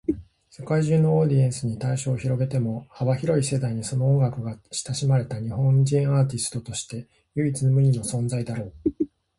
世界中のオーディエンスに対象を広げても、幅広い世代にその音楽が親しまれた日本人アーティストとして唯一無二の存在だろう。